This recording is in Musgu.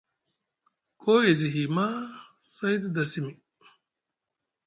Koo e zi hiy maa, say te da simi.